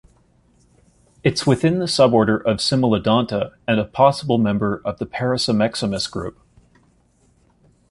It's within the suborder of Cimolodonta, and a possible member of the Paracimexomys group.